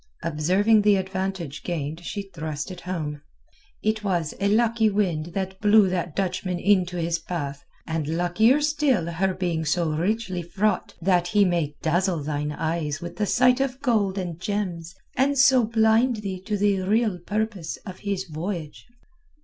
Observing the advantage gained she thrust it home. "It was a lucky wind that blew that Dutchman into his path, and luckier still her being so richly fraught that he may dazzle thine eyes with the sight of gold and gems, and so blind thee to the real purpose of his voyage."